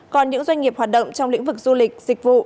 còn những doanh nghiệp hoạt động trong lĩnh vực du lịch dịch vụ